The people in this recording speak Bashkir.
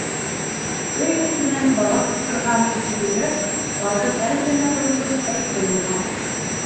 Өй эсенән бала ҡысҡырғаны ишетелгәс, ҡатын әҙ генә боролоп, әйтте уға: